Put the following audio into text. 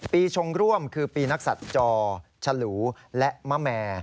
ชงร่วมคือปีนักศัตริย์จอฉลูและมะแม